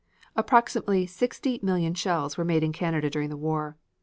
Approximately 60,000,000 shells were made in Canada during the war.